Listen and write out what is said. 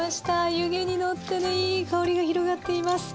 湯気に乗ってねいい香りが広がっています。